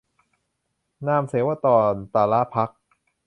นามเสวตร-ตะละภัฏ